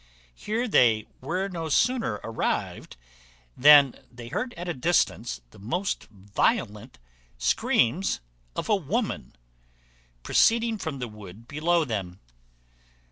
Here they were no sooner arrived than they heard at a distance the most violent screams of a woman, proceeding from the wood below them.